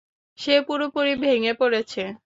সে পুরোপুরি ভেঙে পড়েছে।